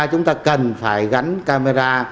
chúng ta cần phải gắn camera